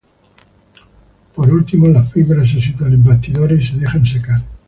Por último, las fibras se sitúan en bastidores y se dejan secar.